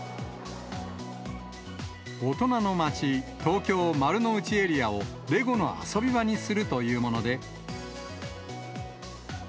大人の街、東京・丸の内エリアをレゴの遊び場にするというもので。